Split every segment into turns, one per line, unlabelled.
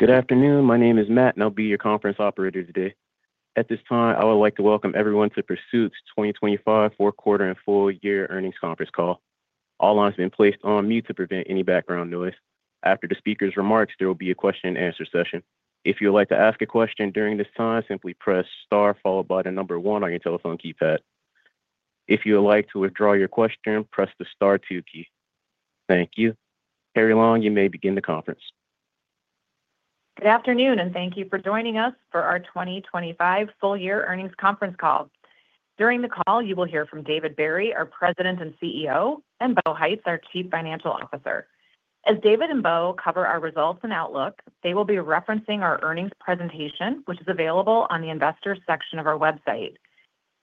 Good afternoon. My name is Matt, and I'll be your conference operator today. At this time, I would like to welcome everyone to Pursuit's 2025 fourth quarter and full year earnings conference call. All lines have been placed on mute to prevent any background noise. After the speaker's remarks, there will be a question and answer session. If you would like to ask a question during this time, simply press star followed by 1 on your telephone keypad. If you would like to withdraw your question, press the star 2 key. Thank you. Carrie Long, you may begin the conference.
Good afternoon. Thank you for joining us for our 2025 full year earnings conference call. During the call, you will hear from David Barry, our President and CEO, and Bo Heitz, our Chief Financial Officer. As David and Bo cover our results and outlook, they will be referencing our earnings presentation, which is available on the Investors section of our website.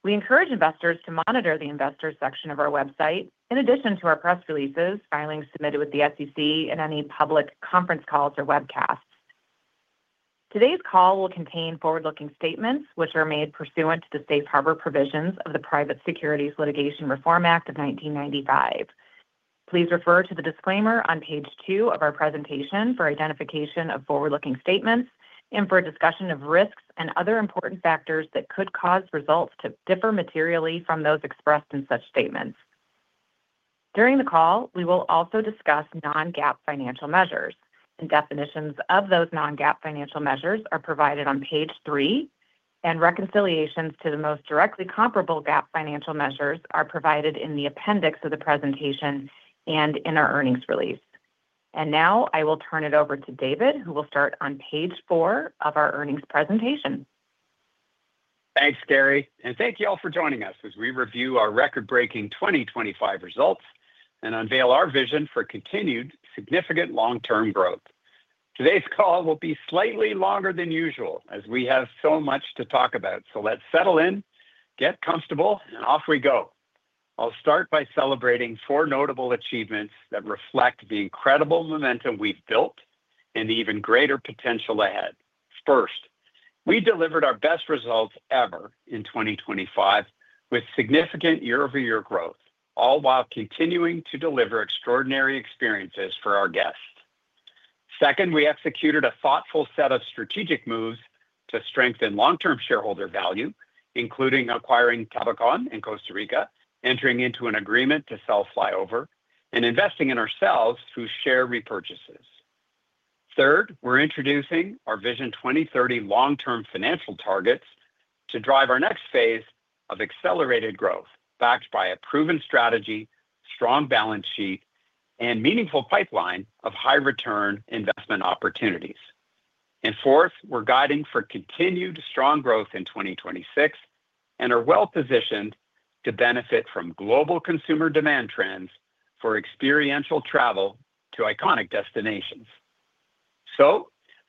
We encourage investors to monitor the Investors section of our website in addition to our press releases, filings submitted with the SEC, and any public conference calls or webcasts. Today's call will contain forward-looking statements which are made pursuant to the Safe Harbor provisions of the Private Securities Litigation Reform Act of 1995. Please refer to the disclaimer on page 2 of our presentation for identification of forward-looking statements and for a discussion of risks and other important factors that could cause results to differ materially from those expressed in such statements. During the call, we will also discuss non-GAAP financial measures, and definitions of those non-GAAP financial measures are provided on page 3, and reconciliations to the most directly comparable GAAP financial measures are provided in the appendix of the presentation and in our earnings release. Now I will turn it over to David, who will start on page 4 of our earnings presentation.
Thanks, Carrie. Thank you all for joining us as we review our record-breaking 2025 results and unveil our vision for continued significant long-term growth. Today's call will be slightly longer than usual, as we have so much to talk about. Let's settle in, get comfortable, and off we go. I'll start by celebrating four notable achievements that reflect the incredible momentum we've built and the even greater potential ahead. First, we delivered our best results ever in 2025, with significant year-over-year growth, all while continuing to deliver extraordinary experiences for our guests. Second, we executed a thoughtful set of strategic moves to strengthen long-term shareholder value, including acquiring Tabacon in Costa Rica, entering into an agreement to sell FlyOver, and investing in ourselves through share repurchases. Third, we're introducing our Vision 2030 long-term financial targets to drive our next phase of accelerated growth, backed by a proven strategy, strong balance sheet, and meaningful pipeline of high-return investment opportunities. Fourth, we're guiding for continued strong growth in 2026 and are well-positioned to benefit from global consumer demand trends for experiential travel to iconic destinations.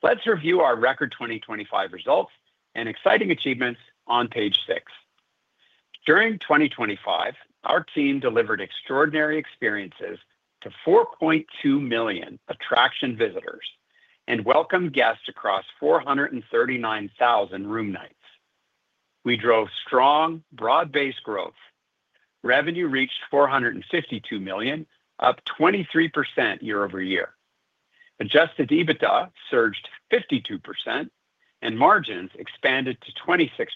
Let's review our record 2025 results and exciting achievements on page 6. During 2025, our team delivered extraordinary experiences to 4,200,000 attraction visitors and welcomed guests across 439,000 room nights. We drove strong, broad-based growth. Revenue reached $452,000,000, up 23% year-over-year. Adjusted EBITDA surged 52%, and margins expanded to 26%,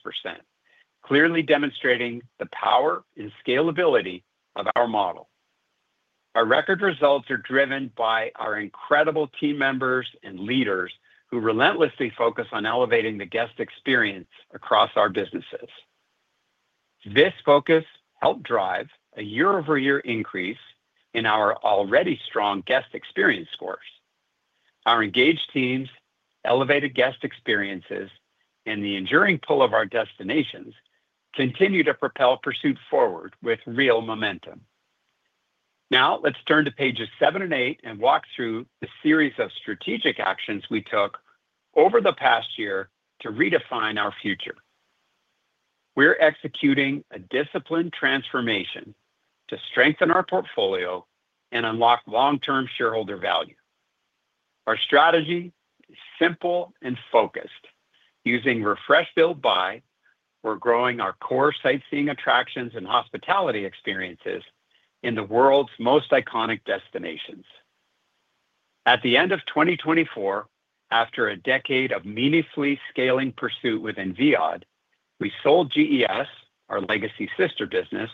clearly demonstrating the power and scalability of our model. Our record results are driven by our incredible team members and leaders, who relentlessly focus on elevating the guest experience across our businesses. This focus helped drive a year-over-year increase in our already strong guest experience scores. Our engaged teams, elevated guest experiences, and the enduring pull of our destinations continue to propel Pursuit forward with real momentum. Let's turn to pages 7 and 8 and walk through the series of strategic actions we took over the past year to redefine our future. We're executing a disciplined transformation to strengthen our portfolio and unlock long-term shareholder value. Our strategy is simple and focused. Using Refresh, Build, Buy, we're growing our core sightseeing attractions and hospitality experiences in the world's most iconic destinations. At the end of 2024, after a decade of meaningfully scaling Pursuit within Viad, we sold GES, our legacy sister business,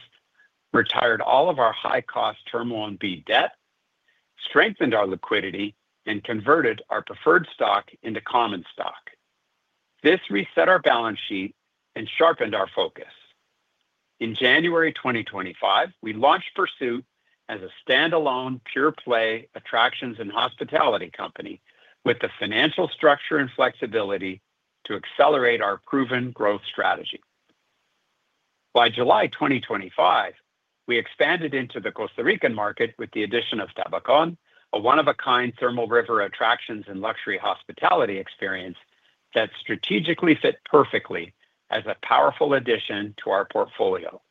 retired all of our high-cost Term Loan B debt, strengthened our liquidity, and converted our preferred stock into common stock. This reset our balance sheet and sharpened our focus. In January 2025, we launched Pursuit as a standalone, pure-play attractions and hospitality company with the financial structure and flexibility to accelerate our proven growth strategy. By July 2025, we expanded into the Costa Rican market with the addition of Tabacon, a one-of-a-kind thermal river attractions and luxury hospitality experience that strategically fit perfectly as a powerful addition to our portfolio.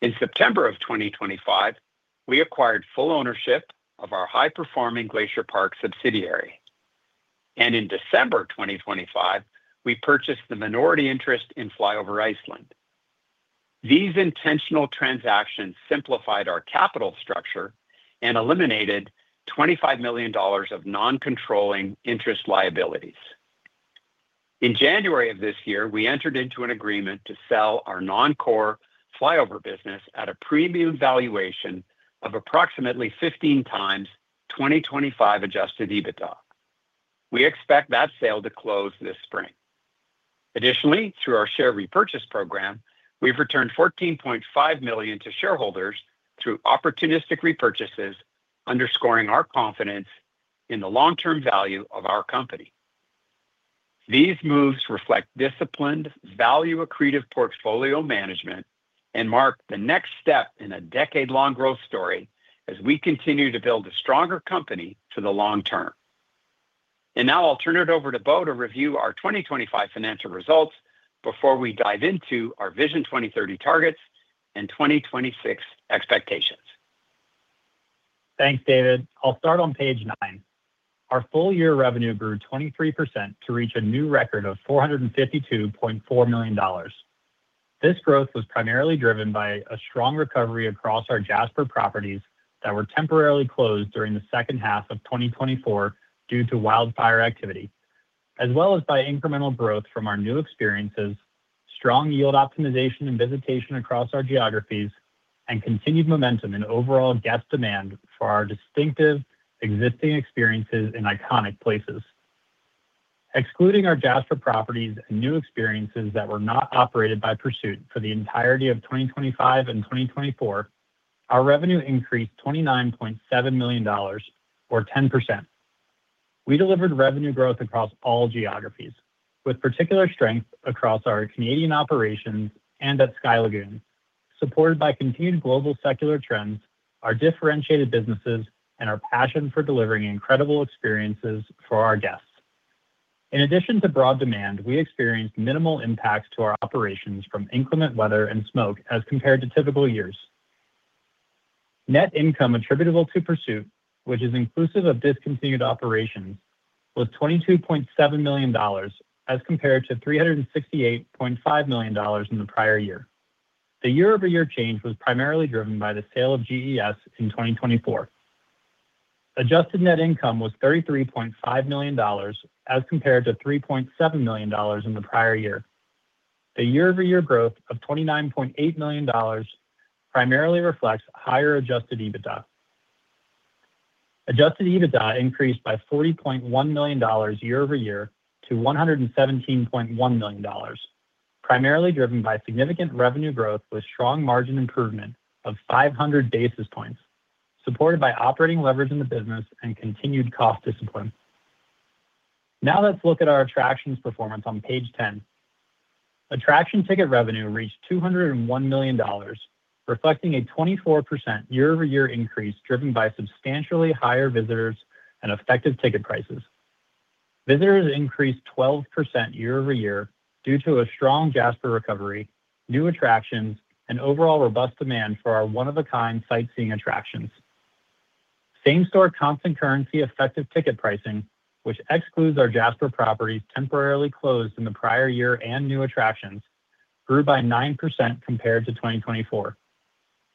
In September 2025, we acquired full ownership of our high-performing Glacier Park subsidiary. In December 2025, we purchased the minority interest in FlyOver Iceland. These intentional transactions simplified our capital structure and eliminated $25,000,000 of non-controlling interest liabilities. In January of this year, we entered into an agreement to sell our non-core FlyOver business at a premium valuation of approximately 15 times 2025 Adjusted EBITDA. We expect that sale to close this spring. Additionally, through our share repurchase program, we've returned $14,500,000 to shareholders through opportunistic repurchases, underscoring our confidence in the long-term value of our company. These moves reflect disciplined, value-accretive portfolio management and mark the next step in a decade-long growth story as we continue to build a stronger company for the long term. Now I'll turn it over to Bo to review our 2025 financial results before we dive into our Vision 2030 targets and 2026 expectations.
Thanks, David. I'll start on page 9. Our full-year revenue grew 23% to reach a new record of $452,400,000. This growth was primarily driven by a strong recovery across our Jasper properties that were temporarily closed during the second half of 2024 due to wildfire activity, as well as by incremental growth from our new experiences, strong yield optimization and visitation across our geographies, and continued momentum in overall guest demand for our distinctive existing experiences in iconic places. Excluding our Jasper properties and new experiences that were not operated by Pursuit for the entirety of 2025 and 2024, our revenue increased $29,700,000, or 10%. We delivered revenue growth across all geographies, with particular strength across our Canadian operations and at Sky Lagoon, supported by continued global secular trends, our differentiated businesses, and our passion for delivering incredible experiences for our guests. In addition to broad demand, we experienced minimal impacts to our operations from inclement weather and smoke as compared to typical years. Net income attributable to Pursuit, which is inclusive of discontinued operations, was $22,700,000, as compared to $368,500,000 in the prior year. The year-over-year change was primarily driven by the sale of GES in 2024. Adjusted net income was $33,500,000, as compared to $3,700,000 in the prior year. The year-over-year growth of $29,800,000 primarily reflects higher Adjusted EBITDA. Adjusted EBITDA increased by $40,100,000 year-over-year to $117,100,000, primarily driven by significant revenue growth with strong margin improvement of 500 basis points, supported by operating leverage in the business and continued cost discipline. Now let's look at our attractions performance on page 10. Attraction ticket revenue reached $201,000,000, reflecting a 24% year-over-year increase, driven by substantially higher visitors and effective ticket prices. Visitors increased 12% year-over-year due to a strong Jasper recovery, new attractions, and overall robust demand for our one-of-a-kind sightseeing attractions. Same-store constant currency effective ticket pricing, which excludes our Jasper properties temporarily closed in the prior year and new attractions, grew by 9% compared to 2024.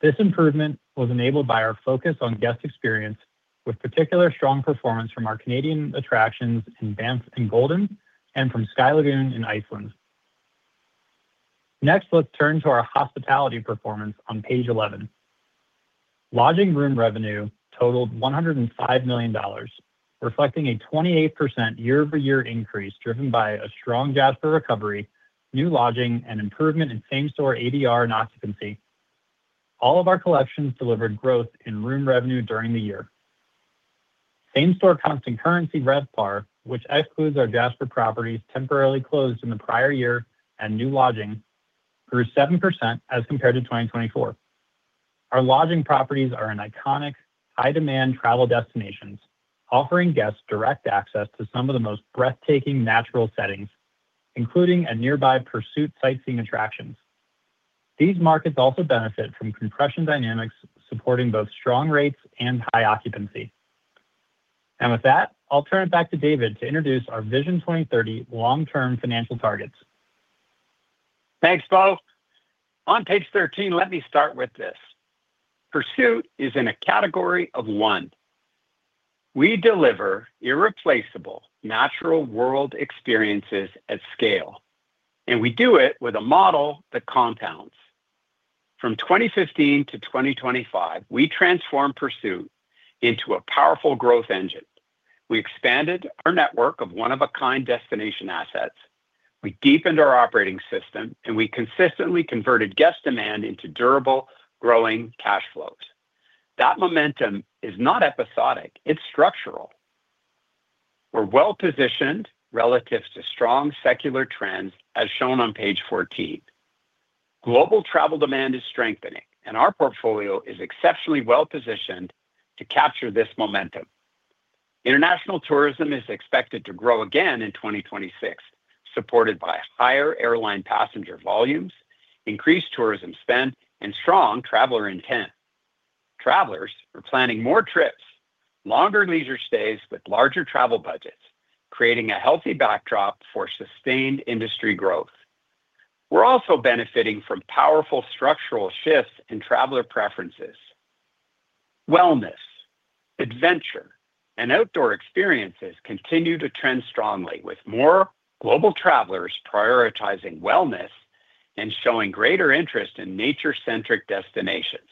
This improvement was enabled by our focus on guest experience, with particular strong performance from our Canadian attractions in Banff and Golden and from Sky Lagoon in Iceland. Let's turn to our hospitality performance on page 11. Lodging room revenue totaled $105,000,000, reflecting a 28% year-over-year increase, driven by a strong Jasper recovery, new lodging, and improvement in same-store ADR and occupancy. All of our collections delivered growth in room revenue during the year. Same-store constant currency RevPAR, which excludes our Jasper properties temporarily closed in the prior year and new lodging, grew 7% as compared to 2024. Our lodging properties are in iconic, high-demand travel destinations, offering guests direct access to some of the most breathtaking natural settings, including a nearby Pursuit sightseeing attractions. These markets also benefit from compression dynamics, supporting both strong rates and high occupancy. With that, I'll turn it back to David to introduce our Vision 2030 long-term financial targets.
Thanks, Bo. On page 13, let me start with this: Pursuit is in a category of one. We deliver irreplaceable natural world experiences at scale, and we do it with a model that compounds. From 2015 to 2025, we transformed Pursuit into a powerful growth engine. We expanded our network of one-of-a-kind destination assets, we deepened our operating system, and we consistently converted guest demand into durable, growing cash flows. That momentum is not episodic, it's structural. We're well-positioned relative to strong secular trends, as shown on page 14. Global travel demand is strengthening, and our portfolio is exceptionally well-positioned to capture this momentum. International tourism is expected to grow again in 2026, supported by higher airline passenger volumes, increased tourism spend, and strong traveler intent. Travelers are planning more trips, longer leisure stays with larger travel budgets, creating a healthy backdrop for sustained industry growth. We're also benefiting from powerful structural shifts in traveler preferences. Wellness, adventure, and outdoor experiences continue to trend strongly, with more global travelers prioritizing wellness and showing greater interest in nature-centric destinations.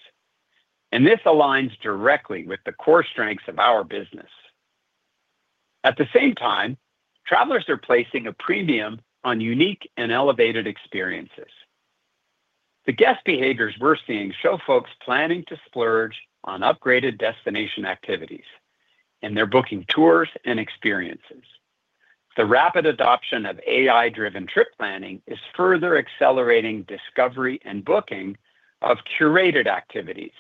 This aligns directly with the core strengths of our business. At the same time, travelers are placing a premium on unique and elevated experiences. The guest behaviors we're seeing show folks planning to splurge on upgraded destination activities, and they're booking tours and experiences. The rapid adoption of AI-driven trip planning is further accelerating the discovery and booking of curated activities,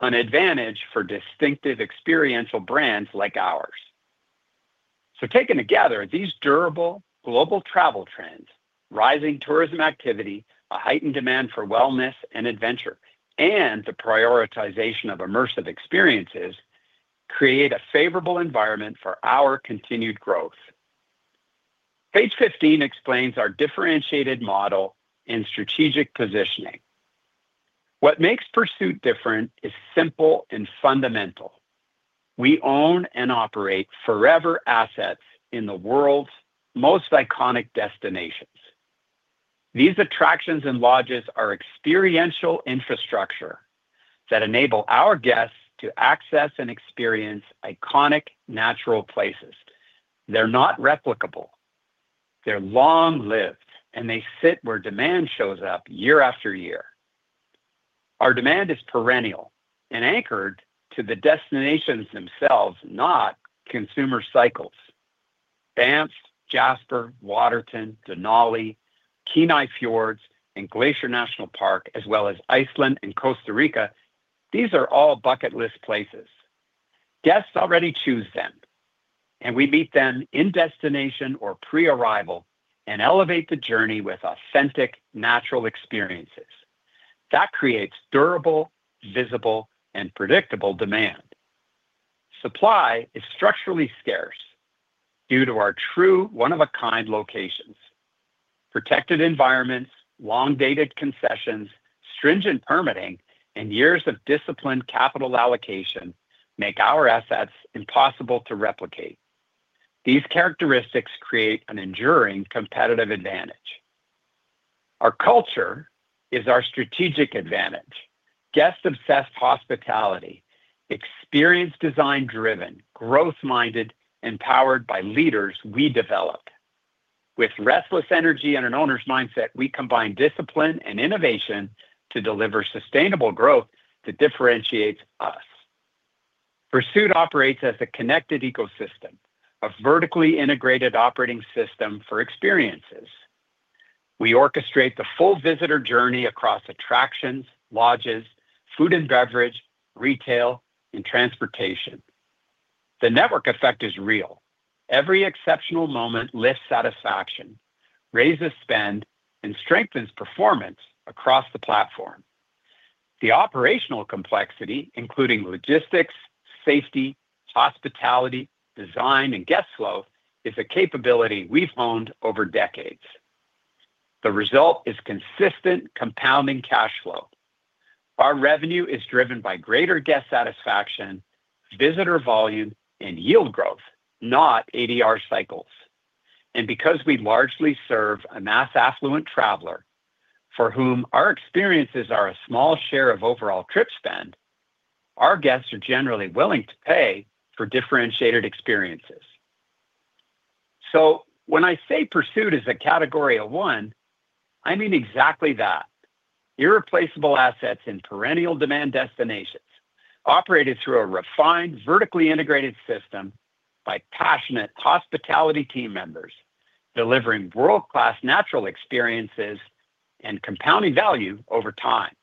an advantage for distinctive experiential brands like ours. Taken together, these durable global travel trends, rising tourism activity, a heightened demand for wellness and adventure, and the prioritization of immersive experiences, create a favorable environment for our continued growth. Page 15 explains our differentiated model in strategic positioning. What makes Pursuit different is simple and fundamental. We own and operate forever assets in the world's most iconic destinations. These attractions and lodges are experiential infrastructure that enable our guests to access and experience iconic natural places. They're not replicable, they're long-lived, and they sit where demand shows up year after year. Our demand is perennial and anchored to the destinations themselves, not consumer cycles. Banff, Jasper, Waterton, Denali, Kenai Fjords, and Glacier National Park, as well as Iceland and Costa Rica, these are all bucket list places. Guests already choose them, and we meet them in destination or pre-arrival and elevate the journey with authentic natural experiences. That creates durable, visible, and predictable demand. Supply is structurally scarce due to our true one-of-a-kind locations. Protected environments, long-dated concessions, stringent permitting, and years of disciplined capital allocation make our assets impossible to replicate. These characteristics create an enduring competitive advantage. Our culture is our strategic advantage. Guest-obsessed hospitality, experience design-driven, growth-minded, powered by leaders we develop. With restless energy and an owner's mindset, we combine discipline and innovation to deliver sustainable growth that differentiates us. Pursuit operates as a connected ecosystem, a vertically integrated operating system for experiences. We orchestrate the full visitor journey across attractions, lodges, food and beverage, retail, and transportation. The network effect is real. Every exceptional moment lifts satisfaction, raises spend, and strengthens performance across the platform. The operational complexity, including logistics, safety, hospitality, design, and guest flow, is a capability we've honed over decades. The result is consistent compounding cash flow. Our revenue is driven by greater guest satisfaction, visitor volume, and yield growth, not ADR cycles. Because we largely serve a mass affluent traveler for whom our experiences are a small share of overall trip spend, our guests are generally willing to pay for differentiated experiences. When I say Pursuit is a category of one, I mean exactly that. Irreplaceable assets in perennial demand destinations, operated through a refined, vertically integrated system by passionate hospitality team members, delivering world-class natural experiences and compounding value over time.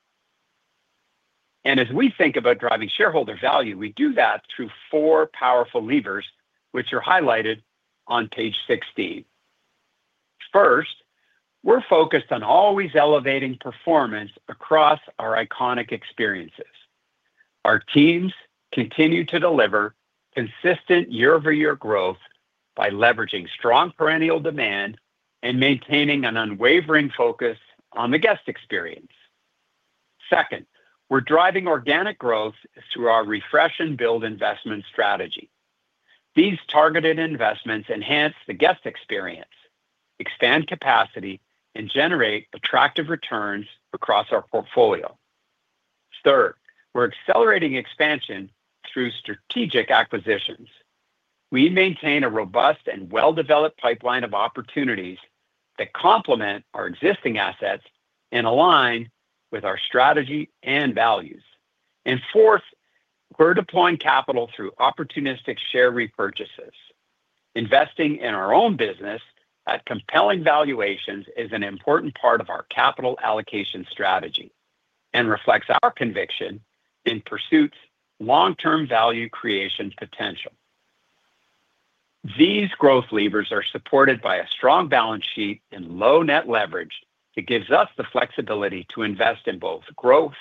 As we think about driving shareholder value, we do that through four powerful levers, which are highlighted on page 16. First, we're focused on always elevating performance across our iconic experiences. Our teams continue to deliver consistent year-over-year growth by leveraging strong perennial demand and maintaining an unwavering focus on the guest experience. Second, we're driving organic growth through our Refresh and Build investment strategy. These targeted investments enhance the guest experience, expand capacity, and generate attractive returns across our portfolio. Third, we're accelerating expansion through strategic acquisitions. We maintain a robust and well-developed pipeline of opportunities that complement our existing assets and align with our strategy and values. fourth, we're deploying capital through opportunistic share repurchases. Investing in our own business at compelling valuations is an important part of our capital allocation strategy and reflects our conviction in Pursuit's long-term value creation potential. These growth levers are supported by a strong balance sheet and low net leverage that gives us the flexibility to invest in both growth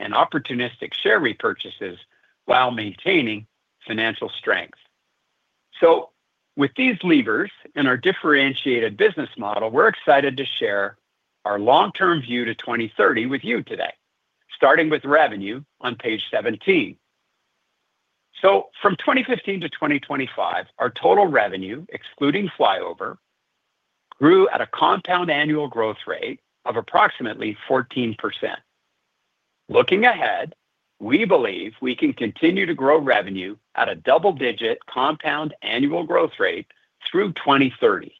and opportunistic share repurchases while maintaining financial strength. With these levers and our differentiated business model, we're excited to share our long-term view to 2030 with you today, starting with revenue on page 17. From 2015 to 2025, our total revenue, excluding FlyOver, grew at a compound annual growth rate of approximately 14%. Looking ahead, we believe we can continue to grow revenue at a double-digit compound annual growth rate through 2030.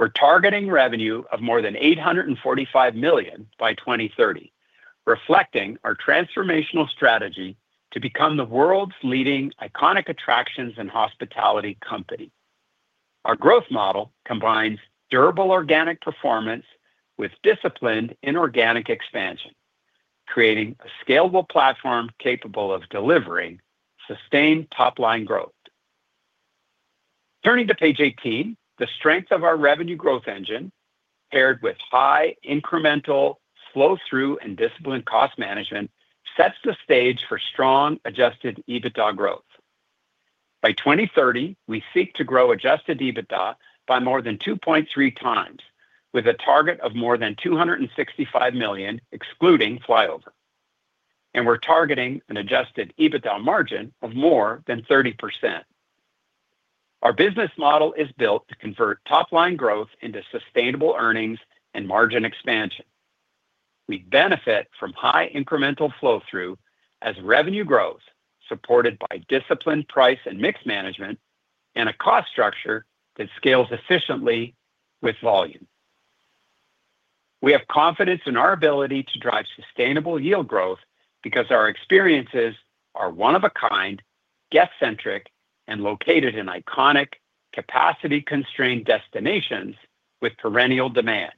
We're targeting revenue of more than $845,000,000 by 2030, reflecting our transformational strategy to become the world's leading iconic Attractions and Hospitality company. Our growth model combines durable organic performance with disciplined inorganic expansion, creating a scalable platform capable of delivering sustained top-line growth. Turning to page 18, the strength of our revenue growth engine, paired with high incremental flow-through and disciplined cost management, sets the stage for strong Adjusted EBITDA growth. By 2030, we seek to grow Adjusted EBITDA by more than 2.3 times, with a target of more than $265,000,000, excluding FlyOver. We're targeting an Adjusted EBITDA margin of more than 30%. Our business model is built to convert top-line growth into sustainable earnings and margin expansion. We benefit from high incremental flow-through as revenue grows, supported by disciplined price and mix management and a cost structure that scales efficiently with volume. We have confidence in our ability to drive sustainable yield growth because our experiences are one of a kind, guest-centric, and located in iconic, capacity-constrained destinations with perennial demand.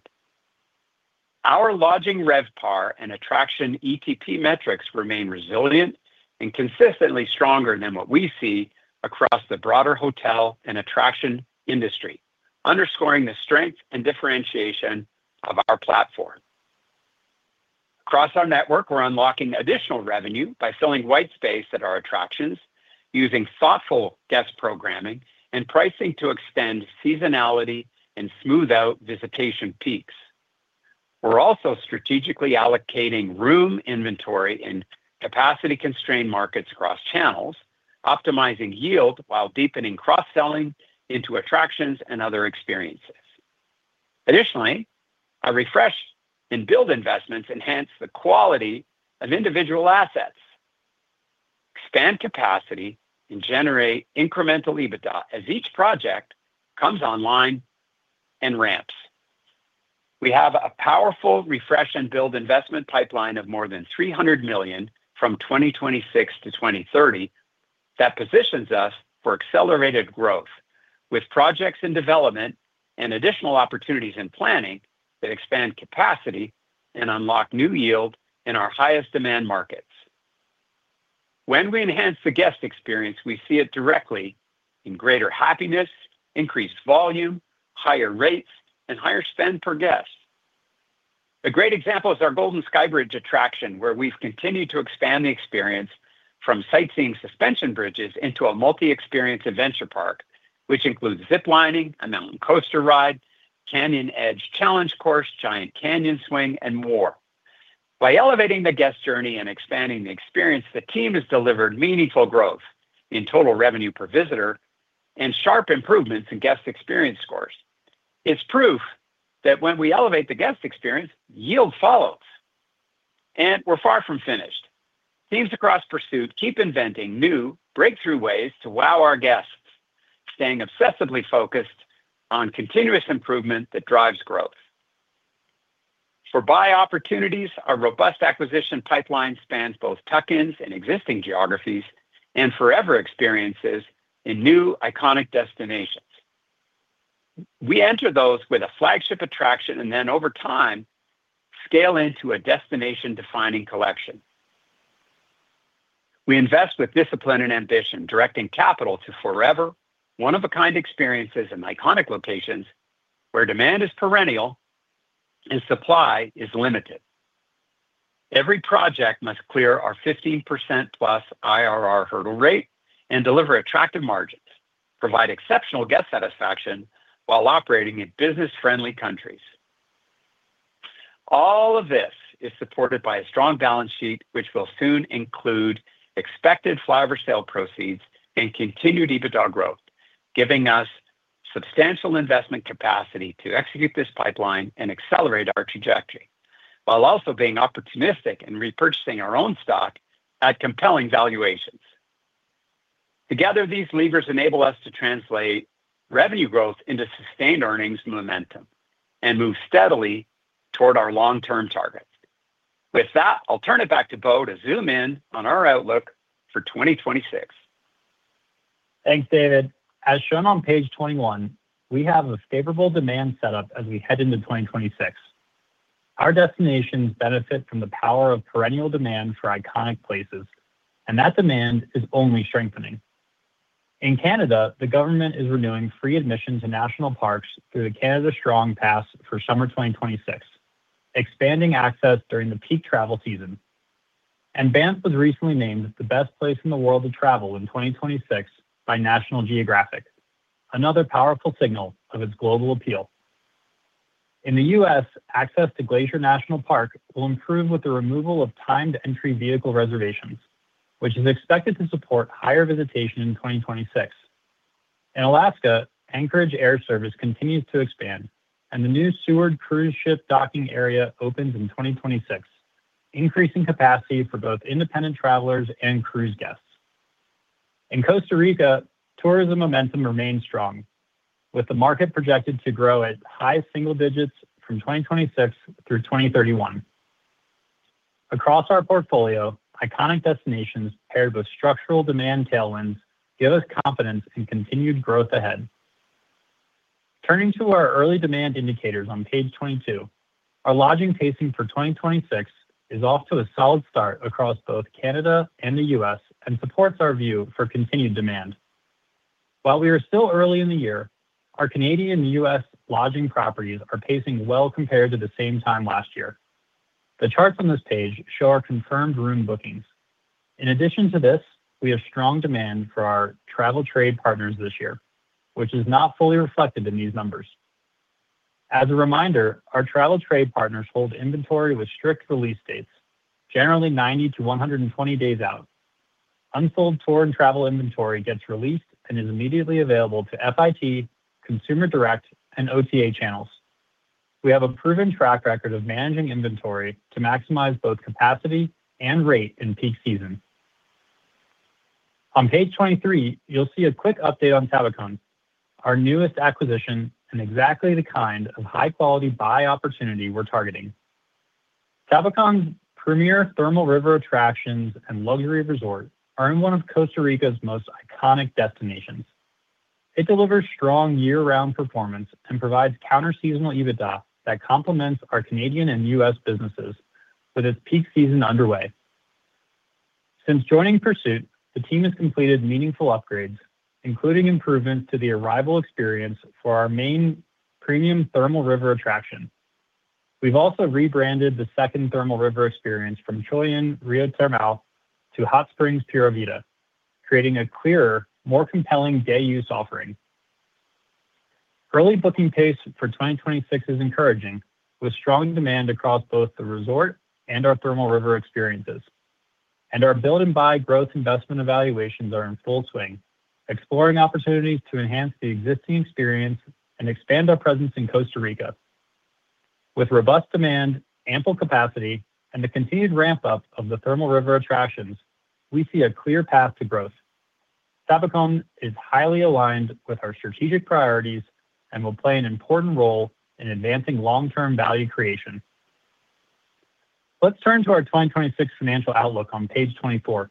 Our lodging RevPAR and attraction ETP metrics remain resilient and consistently stronger than what we see across the broader hotel and attraction industry, underscoring the strength and differentiation of our platform. Across our network, we're unlocking additional revenue by filling white space at our attractions, using thoughtful guest programming and pricing to extend seasonality and smooth out visitation peaks. We're also strategically allocating room inventory in capacity-constrained markets across channels, optimizing yield while deepening cross-selling into attractions and other experiences. Our refresh and build investments enhance the quality of individual assets, expand capacity, and generate incremental EBITDA as each project comes online and ramps. We have a powerful refresh and build investment pipeline of more than $300,000,000 from 2026 to 2030 that positions us for accelerated growth, with projects in development and additional opportunities in planning that expand capacity and unlock new yield in our highest demand markets. When we enhance the guest experience, we see it directly in greater happiness, increased volume, higher rates, and higher spend per guest. A great example is our Golden Sky Bridge attraction, where we've continued to expand the experience from sightseeing suspension bridges into a multi-experience adventure park, which includes zip lining, a mountain coaster ride, canyon edge challenge course, giant canyon swing, and more. By elevating the guest journey and expanding the experience, the team has delivered meaningful growth in total revenue per visitor and sharp improvements in guest experience scores. It's proof that when we elevate the guest experience, yield follows, and we're far from finished. Teams across Pursuit keep inventing new breakthrough ways to wow our guests, staying obsessively focused on continuous improvement that drives growth. Buy opportunities, our robust acquisition pipeline spans both tuck-ins in existing geographies and forever experiences in new iconic destinations. We enter those with a flagship attraction and then, over time, scale into a destination-defining collection. We invest with discipline and ambition, directing capital to forever, one-of-a-kind experiences in iconic locations where demand is perennial and supply is limited. Every project must clear our 15% plus IRR hurdle rate and deliver attractive margins, provide exceptional guest satisfaction while operating in business-friendly countries. All of this is supported by a strong balance sheet, which will soon include expected FlyOver sale proceeds and continued EBITDA growth, giving us substantial investment capacity to execute this pipeline and accelerate our trajectory, while also being opportunistic in repurchasing our own stock at compelling valuations. Together, these levers enable us to translate revenue growth into sustained earnings momentum and move steadily toward our long-term targets. With that, I'll turn it back to Bo to zoom in on our outlook for 2026.
Thanks, David. As shown on page 21, we have a favorable demand setup as we head into 2026. Our destinations benefit from the power of perennial demand for iconic places, and that demand is only strengthening. In Canada, the government is renewing free admission to national parks through the Canada Strong Pass for summer 2026, expanding access during the peak travel season. Banff was recently named the best place in the world to travel in 2026 by National Geographic, another powerful signal of its global appeal. In the U.S., access to Glacier National Park will improve with the removal of timed entry vehicle reservations, which is expected to support higher visitation in 2026. In Alaska, Anchorage air service continues to expand, and the new Seward cruise ship docking area opens in 2026, increasing capacity for both independent travelers and cruise guests. In Costa Rica, tourism momentum remains strong, with the market projected to grow at high single digits from 2026 through 2031. Across our portfolio, iconic destinations paired with structural demand tailwinds give us confidence in continued growth ahead. Turning to our early demand indicators on page 22, our lodging pacing for 2026 is off to a solid start across both Canada and the US, and supports our view for continued demand. While we are still early in the year, our Canadian and US lodging properties are pacing well compared to the same time last year. The charts on this page show our confirmed room bookings. In addition to this, we have strong demand for our travel trade partners this year, which is not fully reflected in these numbers. As a reminder, our travel trade partners hold inventory with strict release dates, generally 90 to 120 days out. Unsold tour and travel inventory gets released and is immediately available to FIT, consumer direct, and OTA channels. We have a proven track record of managing inventory to maximize both capacity and rate in peak season. On page 23, you'll see a quick update on Tabacon, our newest acquisition, and exactly the kind of high-quality buy opportunity we're targeting. Tabacon's premier thermal river attractions and luxury resort are in one of Costa Rica's most iconic destinations. It delivers strong year-round performance and provides counter seasonal EBITDA that complements our Canadian and US businesses, with its peak season underway. Since joining Pursuit, the team has completed meaningful upgrades, including improvements to the arrival experience for our main premium thermal river attraction. We've also rebranded the second thermal river experience from Choyín Río Termal to Hot Springs Pura Vida, creating a clearer, more compelling day-use offering. Early booking pace for 2026 is encouraging, with strong demand across both the resort and our thermal river experiences. Our build and buy growth investment evaluations are in full swing, exploring opportunities to enhance the existing experience and expand our presence in Costa Rica. With robust demand, ample capacity, and the continued ramp-up of the thermal river attractions, we see a clear path to growth. Tabacon is highly aligned with our strategic priorities and will play an important role in advancing long-term value creation. Let's turn to our 2026 financial outlook on page 24.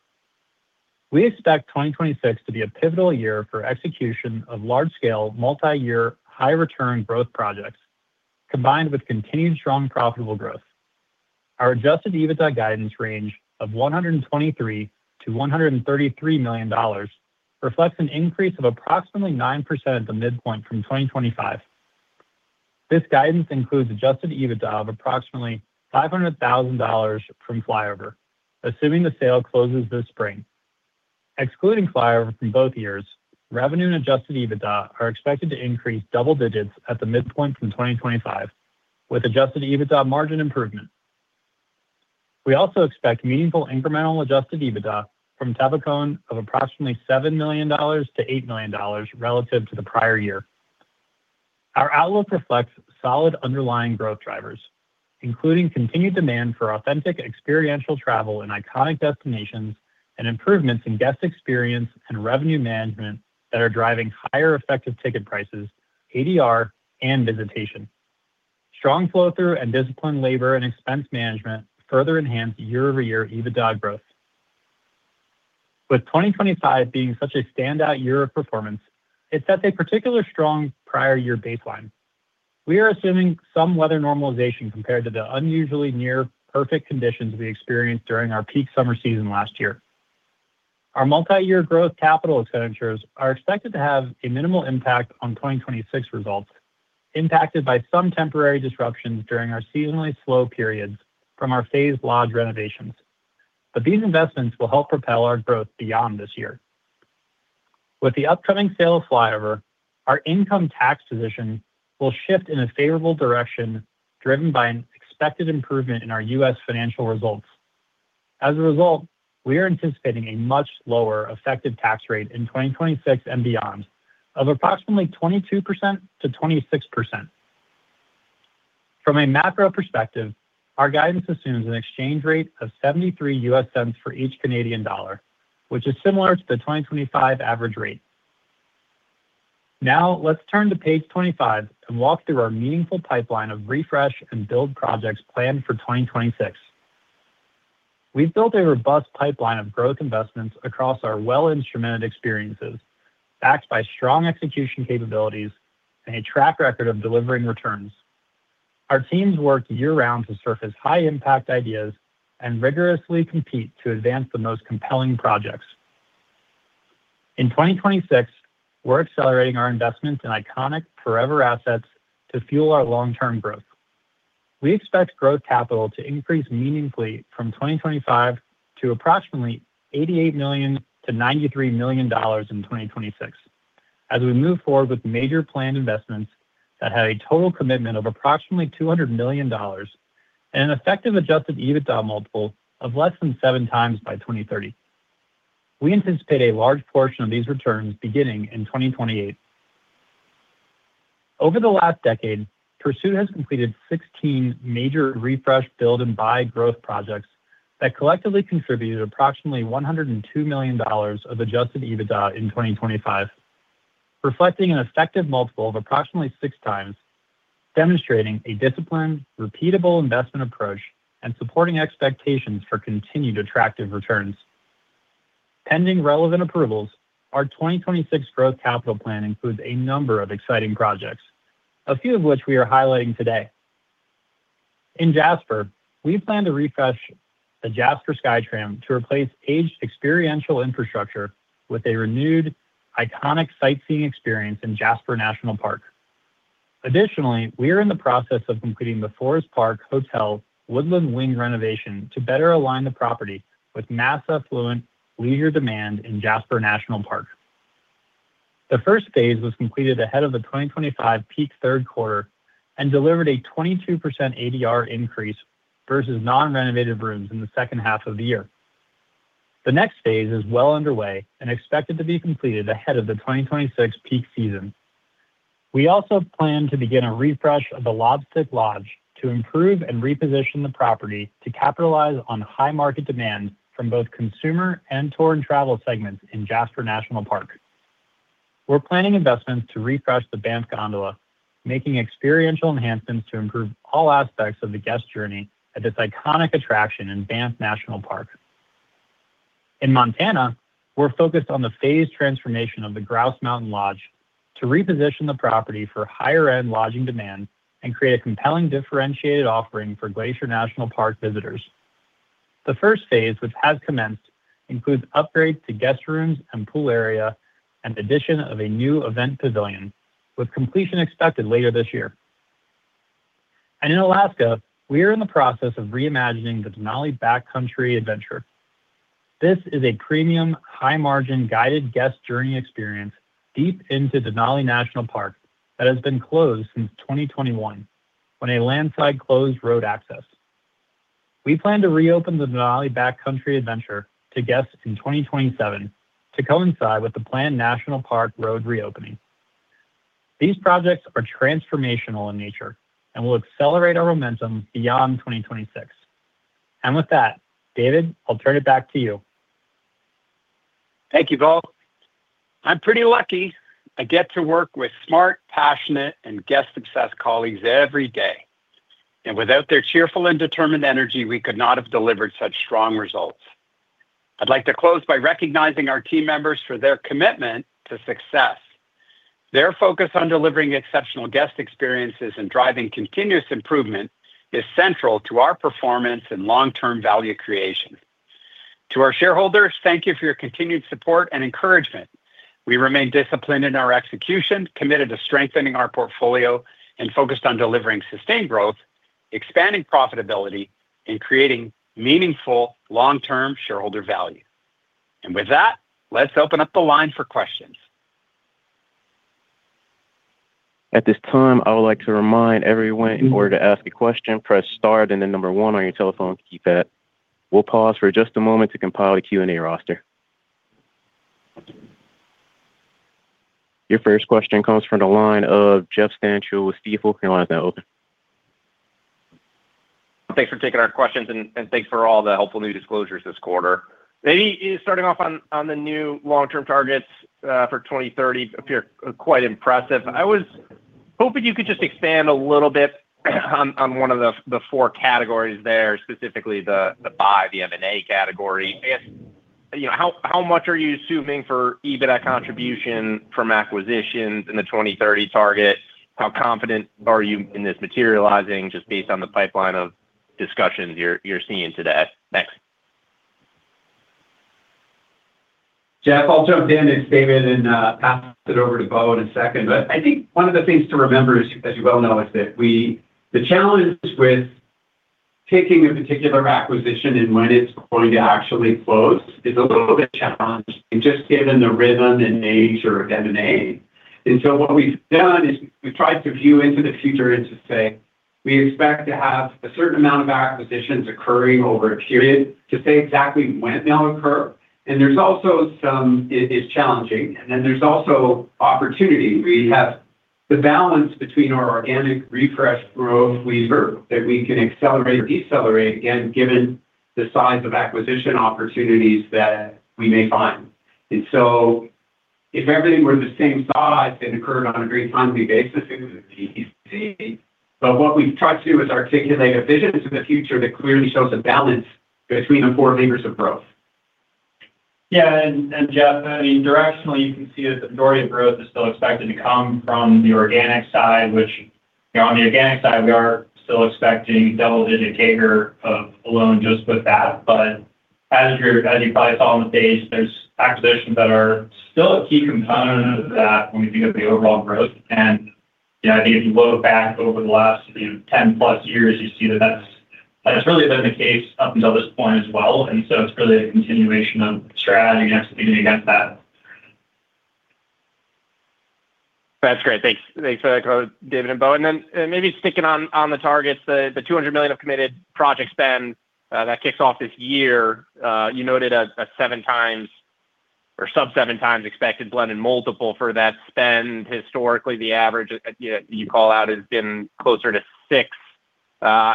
We expect 2026 to be a pivotal year for execution of large-scale, multiyear, high-return growth projects, combined with continued strong, profitable growth. Our Adjusted EBITDA guidance range of $123,000,000-$133,000,000 reflects an increase of approximately 9% at the midpoint from 2025. This guidance includes Adjusted EBITDA of approximately $500,000 from FlyOver, assuming the sale closes this spring. Excluding FlyOver from both years, revenue and Adjusted EBITDA are expected to increase double digits at the midpoint from 2025, with Adjusted EBITDA margin improvement. We also expect meaningful incremental Adjusted EBITDA from Tabacon of approximately $7,000,000-$8,000,000 relative to the prior year. Our outlook reflects solid underlying growth drivers, including continued demand for authentic experiential travel in iconic destinations, and improvements in guest experience and revenue management that are driving higher effective ticket prices, ADR, and visitation. Strong flow-through and disciplined labor and expense management further enhance year-over-year EBITDA growth. With 2025 being such a particular strong prior year baseline, it sets a particular strong prior year baseline. We are assuming some weather normalization compared to the unusually near perfect conditions we experienced during our peak summer season last year. Our multiyear growth capital expenditures are expected to have a minimal impact on 2026 results, impacted by some temporary disruptions during our seasonally slow periods from our phased lodge renovations. These investments will help propel our growth beyond this year. With the upcoming sale of FlyOver, our income tax position will shift in a favorable direction, driven by an expected improvement in our U.S. financial results. As a result, we are anticipating a much lower effective tax rate in 2026 and beyond of approximately 22%-26%. From a macro perspective, our guidance assumes an exchange rate of $0.73 for each CAD, which is similar to the 2025 average rate. Let's turn to page 25 and walk through our meaningful pipeline of refresh and build projects planned for 2026. We've built a robust pipeline of growth investments across our well-instrumented experiences, backed by strong execution capabilities and a track record of delivering returns. Our teams work year-round to surface high-impact ideas and rigorously compete to advance the most compelling projects. In 2026, we're accelerating our investments in iconic forever assets to fuel our long-term growth. We expect growth capital to increase meaningfully from 2025 to approximately $88,000,000-$93,000,000 in 2026, as we move forward with major planned investments that have a total commitment of approximately $200,000,000 and an effective Adjusted EBITDA multiple of less than 7x by 2030. We anticipate a large portion of these returns beginning in 2028. Over the last decade, Pursuit has completed 16 major Refresh, Build, and Buy growth projects that collectively contributed approximately $102,000,000 of Adjusted EBITDA in 2025, reflecting an effective multiple of approximately 6x, demonstrating a disciplined, repeatable investment approach and supporting expectations for continued attractive returns. Pending relevant approvals, our 2026 growth capital plan includes a number of exciting projects, a few of which we are highlighting today. In Jasper, we plan to refresh the Jasper SkyTram to replace aged experiential infrastructure with a renewed iconic sightseeing experience in Jasper National Park. Additionally, we are in the process of completing the Forest Park Hotel Woodlands Wing renovation to better align the property with mass affluent leisure demand in Jasper National Park. The first phase was completed ahead of the 2025 peak third quarter and delivered a 22% ADR increase versus non-renovated rooms in the second half of the year. The next phase is well underway and expected to be completed ahead of the 2026 peak season. We also plan to begin a refresh of the Lobstick Lodge to improve and reposition the property to capitalize on high market demand from both consumer and tour and travel segments in Jasper National Park. We're planning investments to refresh the Banff Gondola, making experiential enhancements to improve all aspects of the guest journey at this iconic attraction in Banff National Park. In Montana, we're focused on the phased transformation of the Grouse Mountain Lodge to reposition the property for higher-end lodging demand and create a compelling, differentiated offering for Glacier National Park visitors. The first phase, which has commenced, includes upgrades to guest rooms and pool area and addition of a new event pavilion, with completion expected later this year. In Alaska, we are in the process of reimagining the Denali Backcountry Adventure. This is a premium, high-margin, guided guest journey experience deep into Denali National Park that has been closed since 2021, when a landslide closed road access. We plan to reopen the Denali Backcountry Adventure to guests in 2027 to coincide with the planned National Park road reopening. These projects are transformational in nature and will accelerate our momentum beyond 2026. With that, David, I'll turn it back to you.
Thank you, Bo. I'm pretty lucky I get to work with smart, passionate, and guest-obsessed colleagues every day. Without their cheerful and determined energy, we could not have delivered such strong results. I'd like to close by recognizing our team members for their commitment to success. Their focus on delivering exceptional guest experiences and driving continuous improvement is central to our performance and long-term value creation. To our shareholders, thank you for your continued support and encouragement. We remain disciplined in our execution, committed to strengthening our portfolio, and focused on delivering sustained growth, expanding profitability, and creating meaningful long-term shareholder value. With that, let's open up the line for questions.
At this time, I would like to remind everyone, in order to ask a question, press star and then 1 on your telephone keypad. We'll pause for just a moment to compile a Q&A roster. Your first question comes from the line of Jeffrey Stantial with Stifel. Your line is now open.
Thanks for taking our questions, and thanks for all the helpful new disclosures this quarter. Maybe, starting off on the new long-term targets for 2030 appear quite impressive. I was hoping you could just expand a little bit on one of the four categories there, specifically the buy, the M&A category. I guess, you know, how much are you assuming for EBITDA contribution from acquisitions in the 2030 target? How confident are you in this materializing, just based on the pipeline of discussions you're seeing today? Thanks.
Jeff, I'll jump in as David and pass it over to Bo in a second. I think one of the things to remember is, as you well know, is that the challenge with taking a particular acquisition and when it's going to actually close is a little bit challenging and just given the rhythm and nature of M&A. What we've done is we've tried to view into the future and to say, "We expect to have a certain amount of acquisitions occurring over a period," to say exactly when they'll occur is challenging, and then there's also opportunity. We have the balance between our organic Refresh growth lever that we can accelerate or decelerate, again, given the size of acquisition opportunities that we may find. If everything were the same size and occurred on a very timely basis, it was easy. What we've tried to do is articulate a vision into the future that clearly shows a balance between the four levers of growth.
Jeff, I mean, directionally, you can see that the majority of growth is still expected to come from the organic side, which, you know, on the organic side, we are still expecting double-digit CAGR of alone just with that. As you probably saw on the page, there's acquisitions that are still a key component of that when we think of the overall growth. Yeah, I think if you look back over the last 10-plus years, you see that that's really been the case up until this point as well. It's really a continuation of the strategy executing against that.
That's great. Thanks. Thanks for that, David and Bo. Maybe sticking on the targets, the $200,000,000 of committed project spend that kicks off this year, you noted a 7 times or sub 7 times expected blended multiple for that spend. Historically, the average, yeah, you call out has been closer to 6.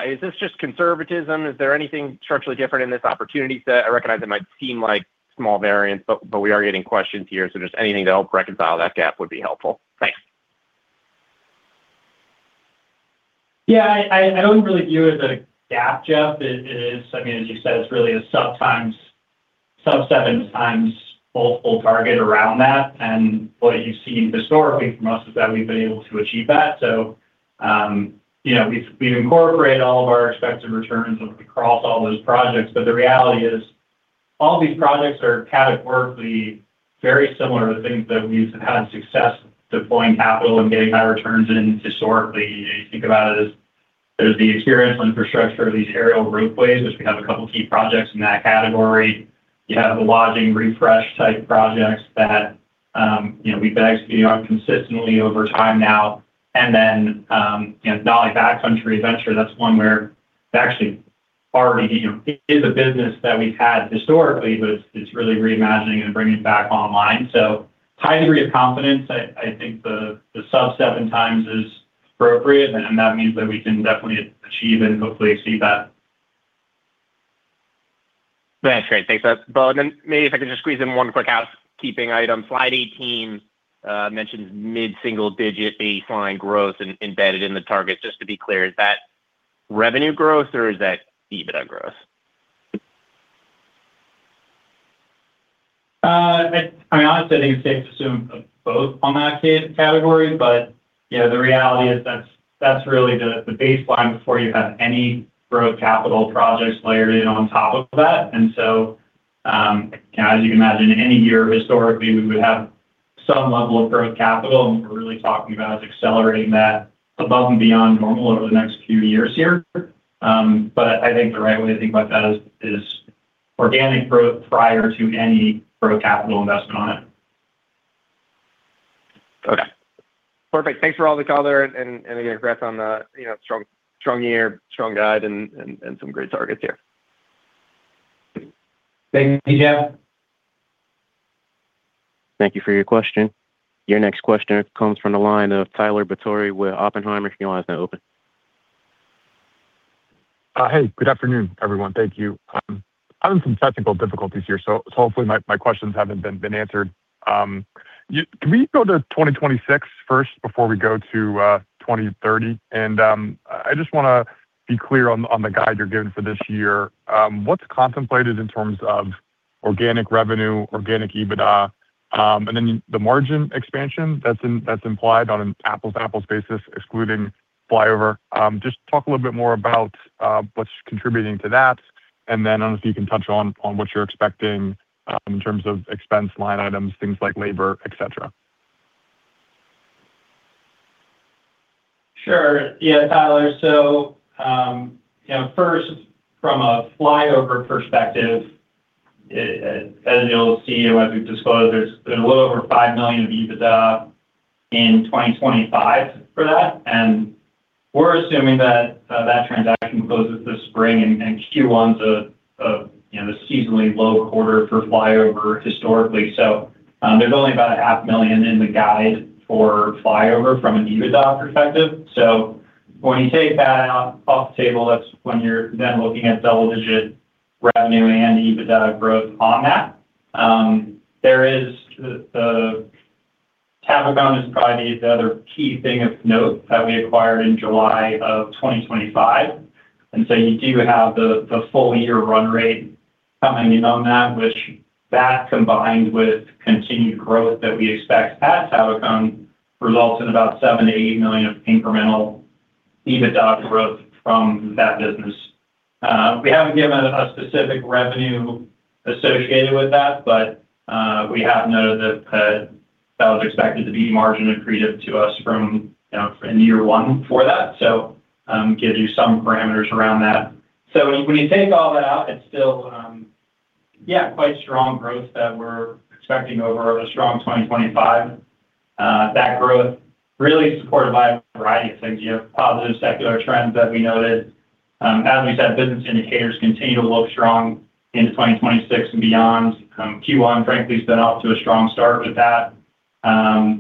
Is this just conservatism? Is there anything structurally different in this opportunity set? I recognize it might seem like small variance, but we are getting questions here, so just anything to help reconcile that gap would be helpful. Thanks.
Yeah, I don't really view it as a gap, Jeff. It is, I mean, as you said, it's really a sometimes sub 7 times multiple target around that, and what you've seen historically from us is that we've been able to achieve that. You know, we've incorporated all of our expected returns across all those projects, but the reality is all these projects are categorically very similar to the things that we've had success deploying capital and getting high returns in historically. You think about it as there's the experienced infrastructure of these aerial ropeways, which we have a couple key projects in that category. You have the lodging refresh type projects that, you know, we've been executing on consistently over time now. Then, you know, Denali Backcountry Adventure, that's one where we actually already, you know, it is a business that we've had historically, but it's really reimagining and bringing it back online. High degree of confidence, I think the sub-7 times is appropriate. That means that we can definitely achieve and hopefully exceed that.
That's great. Thanks for that, Bo. Maybe if I could just squeeze in 1 quick housekeeping item. Slide 18 mentions mid-single-digit baseline growth embedded in the target. Just to be clear, is that revenue growth or is that EBITDA growth?
I mean, honestly, I think it's safe to assume both on that category, you know, the reality is that's really the baseline before you have any growth capital projects layered in on top of that. As you can imagine, any year historically, we would have some level of growth capital, and we're really talking about is accelerating that above and beyond normal over the next few years here. I think the right way to think about that is organic growth prior to any growth capital investment on it.
Okay. Perfect. Thanks for all the color and again, congrats on the, you know, strong year, strong guide, and some great targets here.
Thank you, Jeff.
Thank you for your question. Your next question comes from the line of Tyler Batory with Oppenheimer. Your line is now open.
Hey, good afternoon, everyone. Thank you. I'm having some technical difficulties here, so hopefully, my questions haven't been answered. Can we go to 2026 first before we go to 2030? I just wanna be clear on the guide you're giving for this year. What's contemplated in terms of organic revenue, organic EBITDA, and then the margin expansion that's implied on an apples-to-apples basis, excluding FlyOver? Just talk a little bit more about what's contributing to that, and then honestly, you can touch on what you're expecting in terms of expense, line items, things like labor, et cetera.
Sure. Yeah, Tyler, you know, first, from a FlyOver perspective, as you'll see, as we've disclosed, there's a little over $5,000,000 of EBITDA in 2025 for that, and we're assuming that transaction closes this spring, and Q1 is a, you know, a seasonally low quarter for FlyOver historically. There's only about a half million in the guide for FlyOver from an EBITDA perspective. When you take that off the table, that's when you're then looking at double-digit revenue and EBITDA growth on that. There is the Tabacon is probably the other key thing of note that we acquired in July of 2025, you do have the full year run rate coming in on that, which that combined with continued growth that we expect at Tabacon, results in about $7,000,000-$8,000,000 of incremental EBITDA growth from that business. We haven't given a specific revenue associated with that, we have noted that that was expected to be margin accretive to us from, you know, in year one for that. Gives you some parameters around that. When you take all that out, it's still quite strong growth that we're expecting over a strong 2025. That growth really supported by a variety of things, you know, positive secular trends that we noted. As we said, business indicators continue to look strong into 2026 and beyond. Q1, frankly, has been off to a strong start with that. Yeah,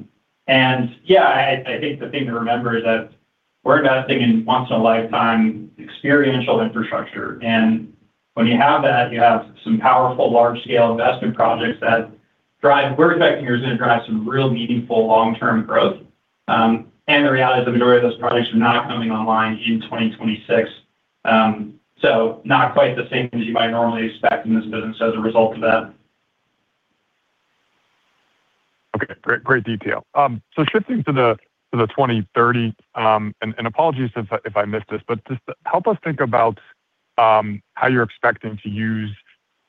I think the thing to remember is that... We're investing in once-in-a-lifetime experiential infrastructure, and when you have that, you have some powerful, large-scale investment projects that we're expecting are gonna drive some real meaningful long-term growth. The reality is the majority of those projects are not coming online in 2026. Not quite the same thing as you might normally expect in this business as a result of that.
Okay, great detail. Shifting to the 2030, and apologies if I missed this, but just help us think about how you're expecting to use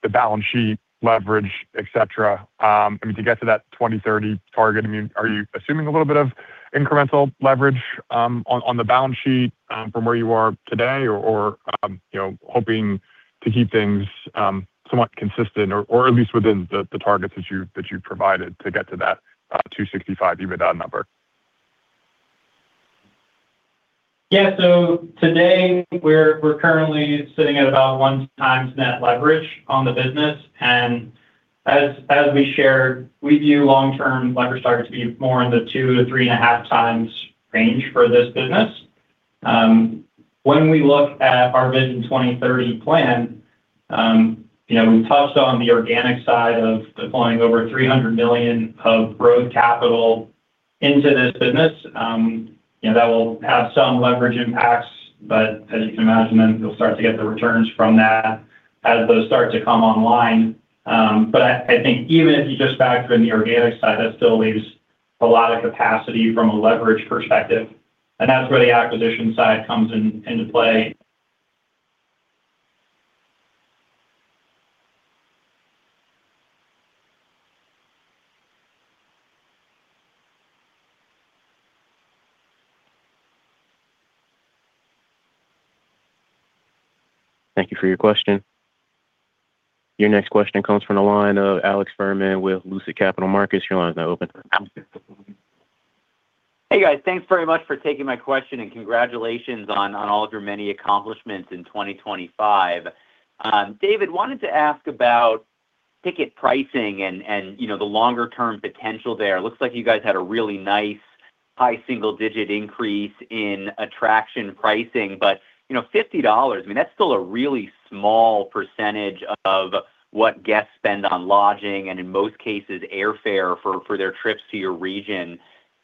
the balance sheet leverage, et cetera. I mean, to get to that 2030 target, I mean, are you assuming a little bit of incremental leverage on the balance sheet from where you are today? Or, you know, hoping to keep things somewhat consistent or at least within the targets that you provided to get to that 265 EBITDA number?
Today, we're currently sitting at about one times net leverage on the business, as we shared, we view long-term leverage targets to be more in the 2 to 3.5 times range for this business. When we look at our Vision 2030 plan, you know, we've touched on the organic side of deploying over $300,000,000 of growth capital into this business. You know, that will have some leverage impacts, but as you can imagine, you'll start to get the returns from that as those start to come online. I think even if you just factor in the organic side, that still leaves a lot of capacity from a leverage perspective, and that's where the acquisition side comes into play.
Thank you for your question. Your next question comes from the line of Alex Fuhrman with Lucid Capital Markets. Your line is now open.
Hey, guys. Thanks very much for taking my question. Congratulations on all of your many accomplishments in 2025. David, wanted to ask about ticket pricing and, you know, the longer term potential there. It looks like you guys had a really nice high single-digit increase in attraction pricing. You know, $50, I mean, that's still a really small percentage of what guests spend on lodging, and in most cases, airfare for their trips to your region.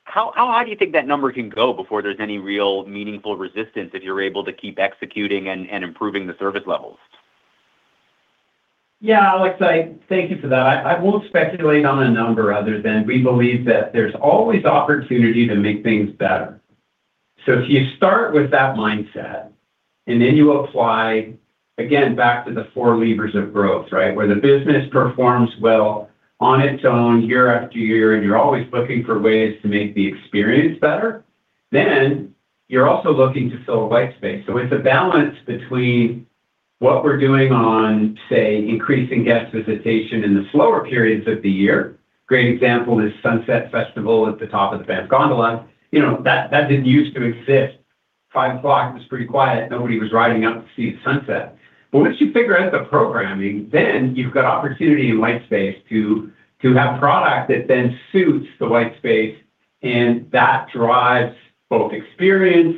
How high do you think that number can go before there's any real meaningful resistance if you're able to keep executing and improving the service levels?
Yeah, Alex, I thank you for that. I won't speculate on a number other than we believe that there's always opportunity to make things better. If you start with that mindset, and then you apply again, back to the four levers of growth, right? Where the business performs well on its own, year after year, and you're always looking for ways to make the experience better, then you're also looking to fill a white space. It's a balance between what we're doing on, say, increasing guest visitation in the slower periods of the year. Great example is Sunset Festival at the top of the Banff Gondola. You know, that didn't use to exist. 5:00 P.M., it was pretty quiet, nobody was riding up to see the sunset. Once you figure out the programming, then you've got opportunity in white space to have product that then suits the white space, and that drives both experience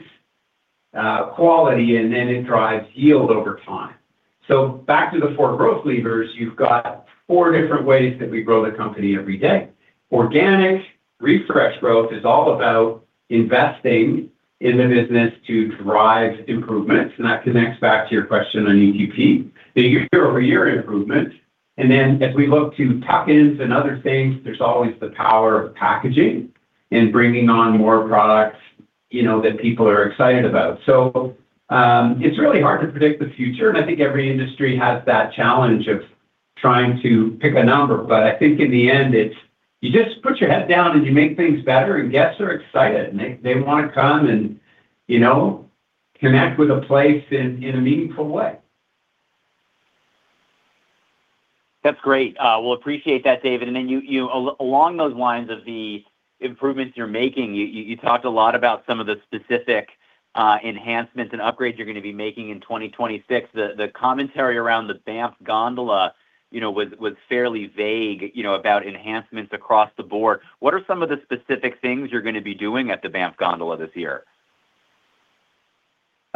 quality, and then it drives yield over time. Back to the 4 growth levers, you've got 4 different ways that we grow the company every day. Organic refresh growth is all about investing in the business to drive improvements, and that connects back to your question on EQP, the year-over-year improvement. As we look to tuck-ins and other things, there's always the power of packaging and bringing on more products, you know, that people are excited about. It's really hard to predict the future, and I think every industry has that challenge of trying to pick a number. I think in the end, you just put your head down and you make things better, and guests are excited, and they wanna come and, you know, connect with a place in a meaningful way.
That's great. Well, appreciate that, David. Then you, along those lines of the improvements you're making, you talked a lot about some of the specific enhancements and upgrades you're gonna be making in 2026. The commentary around the Banff Gondola, you know, was fairly vague, you know, about enhancements across the board. What are some of the specific things you're gonna be doing at the Banff Gondola this year?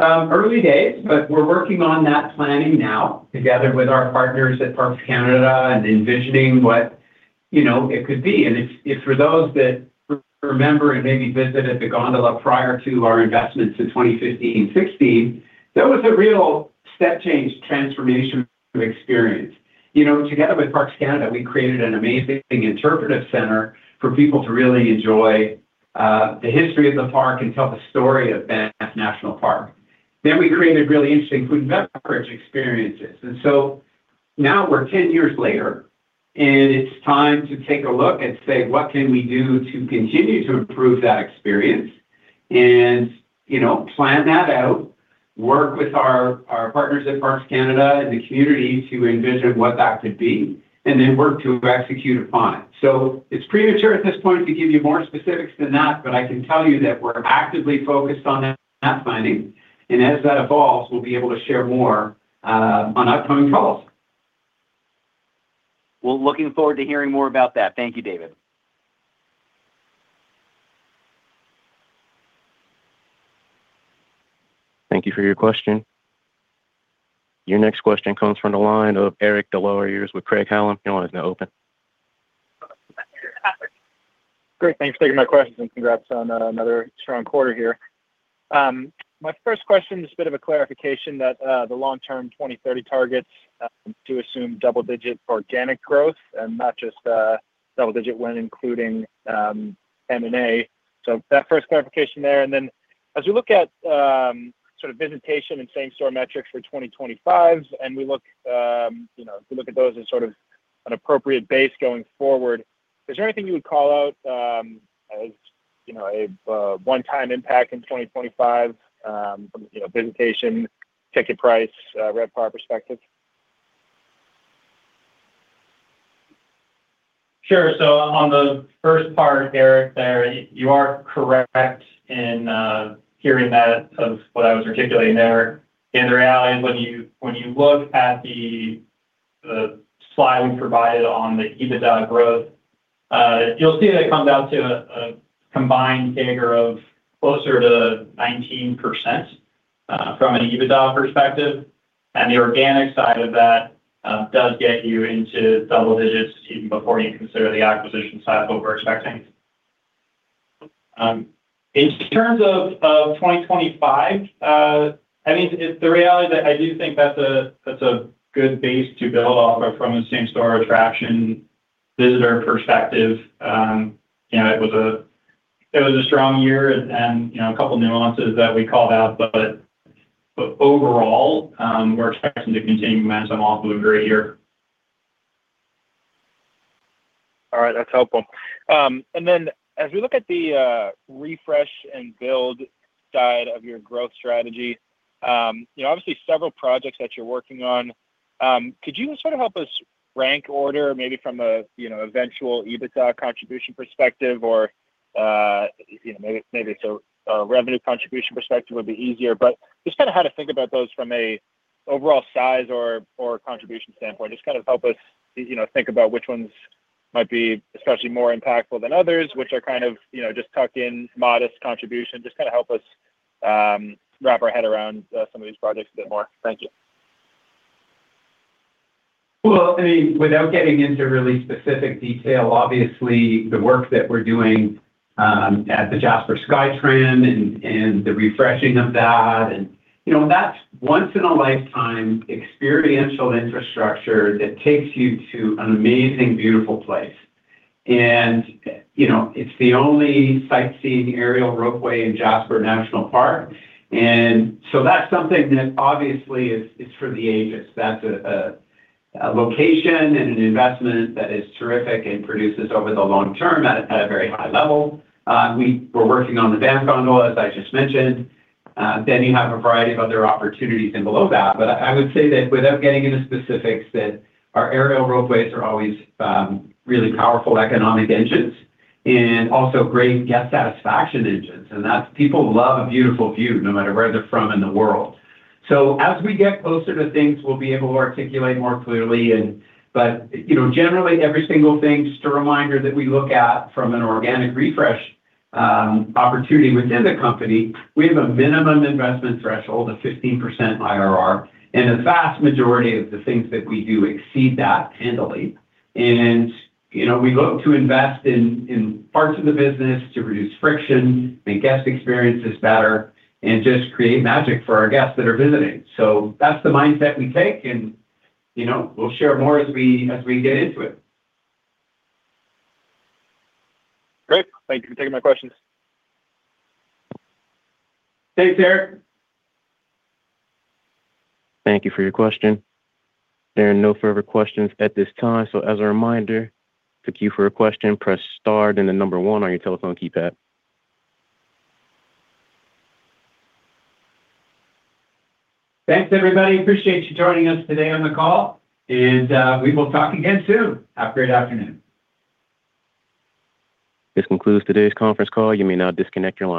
Early days, but we're working on that planning now, together with our partners at Parks Canada envisioning what, you know, it could be. If for those that remember, and maybe visited the gondola prior to our investments in 2015, 2016, there was a real step-change transformation experience. You know, together with Parks Canada, we created an amazing interpretive center for people to really enjoy the history of the park and tell the story of Banff National Park. We created really interesting food and beverage experiences. Now we're 10 years later, it's time to take a look and say: What can we do to continue to improve that experience? You know, plan that out, work with our partners at Parks Canada and the community to envision what that could be, work to execute upon it. It's premature at this point to give you more specifics than that, but I can tell you that we're actively focused on that planning, and as that evolves, we'll be able to share more on upcoming calls.
Well, looking forward to hearing more about that. Thank you, David.
Thank you for your question. Your next question comes from the line of Eric Des Lauriers with Craig-Hallum. Your line is now open.
Great. Thanks for taking my questions, and congrats on another strong quarter here. My first question is a bit of a clarification that the long-term 2030 targets do assume double-digit organic growth and not just double digit when including M&A. So that first clarification there, and then as you look at sort of visitation and same-store metrics for 2025, and we look, you know, if we look at those as sort of an appropriate base going forward, is there anything you would call out as, you know, a one-time impact in 2025, from, you know, a visitation, ticket price, RevPAR perspective?
Sure. On the first part, Eric, there, you are correct in hearing that of what I was articulating there. The reality is, when you look at the slide we provided on the EBITDA growth, you'll see that it comes out to a combined figure of closer to 19% from an EBITDA perspective. The organic side of that does get you into double digits even before you consider the acquisition side of what we're expecting. In terms of 2025, I mean, it's the reality that I do think that's a good base to build off of from the same-store attraction visitor perspective. You know, it was a strong year and, you know, a couple of nuances that we called out, but overall, we're expecting to continue momentum off of a great year.
All right, that's helpful. As we look at the Refresh and Build side of your growth strategy, you know, obviously several projects that you're working on, could you sort of help us rank order, maybe from a, you know, eventual EBITDA contribution perspective or, you know, maybe so a revenue contribution perspective would be easier. Just kind of how to think about those from a overall size or contribution standpoint. Just kind of help us, you know, think about which ones might be especially more impactful than others, which are kind of, you know, just tucked in modest contribution. Just kind of help us wrap our head around some of these projects a bit more. Thank you.
Well, I mean, without getting into really specific detail, obviously the work that we're doing at the Jasper SkyTram and the refreshing of that, and, you know, that's once in a lifetime experiential infrastructure that takes you to an amazing, beautiful place. You know, it's the only sightseeing aerial ropeway in Jasper National Park. That's something that obviously is for the ages. That's a location and an investment that is terrific and produces over the long term at a very high level. We were working on the Banff Gondola, as I just mentioned. You have a variety of other opportunities in below that, but I would say that without getting into specifics, that our aerial ropeways are always really powerful economic engines and also great guest satisfaction engines. That's people love a beautiful view, no matter where they're from in the world. As we get closer to things, we'll be able to articulate more clearly and... You know, generally, every single thing, just a reminder that we look at from an organic refresh opportunity within the company, we have a minimum investment threshold of 15% IRR, and the vast majority of the things that we do exceed that handily. You know, we look to invest in parts of the business to reduce friction, make guest experiences better, and just create magic for our guests that are visiting. That's the mindset we take, and, you know, we'll share more as we, as we get into it.
Great. Thank you for taking my questions.
Thanks, Eric.
Thank you for your question. There are no further questions at this time, so as a reminder, to queue for a question, press star, then the 1 on your telephone keypad.
Thanks, everybody. Appreciate you joining us today on the call. We will talk again soon. Have a great afternoon.
This concludes today's conference call. You may now disconnect your line.